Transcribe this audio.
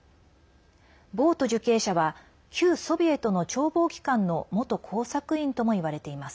ボウト受刑者は旧ソビエトの諜報機関の元工作員ともいわれています。